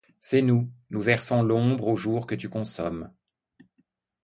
C’est nous. Nous versons l’ombre aux jours que tu consommes ;